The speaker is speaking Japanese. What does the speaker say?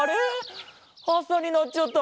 あさになっちゃった！